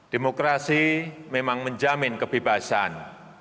demokrasi memang menjamin kebebasan